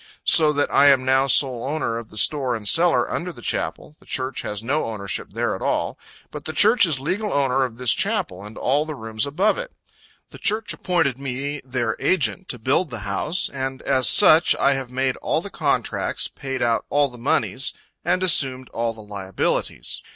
So that I am now sole owner of the store and cellar under the Chapel the Church has no ownership there at all but the Church is legal owner of this Chapel and all the rooms above it. The Church appointed me their agent to build the house, and as such I have made all the contracts, paid out all the monies, and assumed all the liabilities.